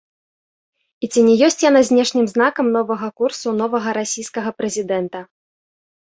І ці не ёсць яна знешнім знакам новага курсу новага расійскага прэзідэнта?